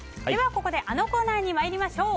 ここであのコーナーに参りましょう。